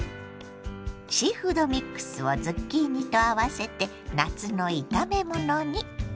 シーフードミックスをズッキーニと合わせて夏の炒めものに。